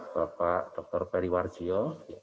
bapak dr periwarjio